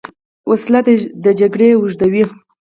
وسله د جګړې اوږدوې